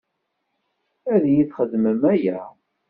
Ad iyi-txedmem aya?